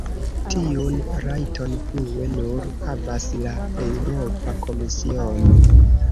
Tiun rajton plue nur havas la Eŭropa Komisiono.